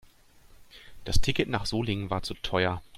Das Ticket nach Solingen war zu teuer